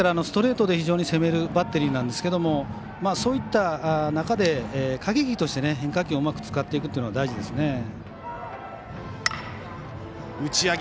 ストレートで非常に攻めるバッテリーなんですけどそういった中で駆け引きとして変化球をうまく使っていくというのが大事ですね。